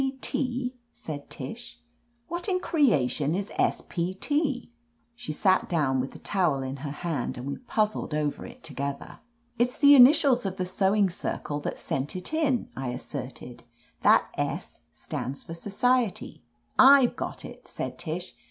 "S. P. T. ?" said Tish. "What in creation is S. P. T. ?" She sat down with the towel in her hand, and we puzzled over it together. 44 J OF LETITIA CARBERRY "It's the initials of the sewing circle that sent it in," I asserted That S. stands for So ciety." "I've got it," said Tish.